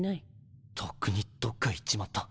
とっくにどっか行っちまった。